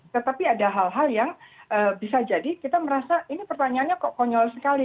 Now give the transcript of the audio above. tetapi ada hal hal yang bisa jadi kita merasa ini pertanyaannya kok konyol sekali